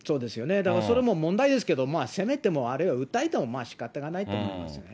だからそれも問題ですけれども、せめてもあれを訴えても仕方がないと思いますよね。